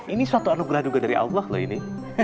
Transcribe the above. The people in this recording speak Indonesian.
ini suatu anugerah juga dari allah loh ini